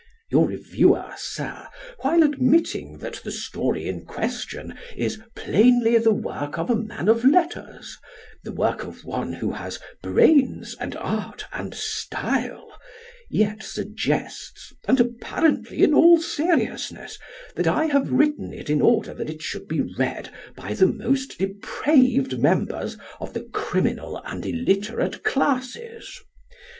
Your reviewer, Sir, while admitting that the story in question is "plainly the work of a man of letters," the work of one who has "brains, and art, and style," yet suggests, and apparently in all seriousness, that I have written it in order that it should be read by the most depraved members of the criminal and illiterate classes.